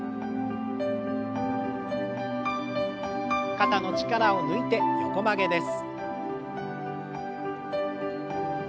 肩の力を抜いて横曲げです。